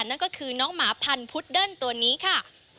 นั่นก็คือน้องหมาพันธุดเดิ้ลตัวนี้ค่ะ